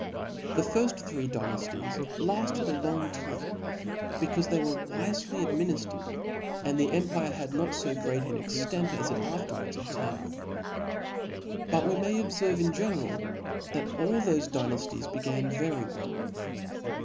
The three firft Dynafties lafted a long time, becaufe they were wifely adminiftered, and the empire had not fo great an extent as it afterwards obtained. But we may obfcrve in general that all thofe Dynafties began very well.